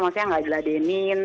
maksudnya gak diladenin